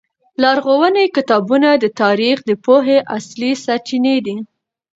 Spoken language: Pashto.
لرغوني کتابونه د تاریخ د پوهې اصلي سرچینې دي.